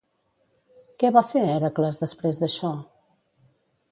Què va fer Hèracles després d'això?